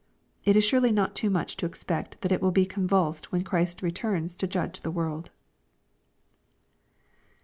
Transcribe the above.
It is surely not too much to expect that it wiU be convulsed when Christ returns to judge the world.